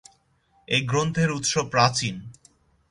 এই গ্রন্থের উৎস প্রাচীন।